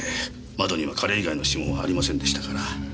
窓には彼以外の指紋はありませんでしたから。